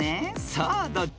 さあどっち］